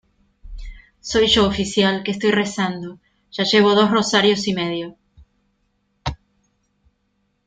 soy yo, oficial , que estoy rezando. ya llevo dos rosarios y medio .